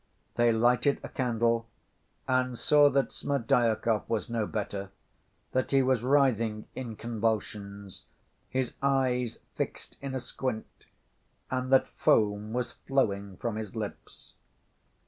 They lighted a candle and saw that Smerdyakov was no better, that he was writhing in convulsions, his eyes fixed in a squint, and that foam was flowing from his lips.